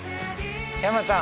山ちゃん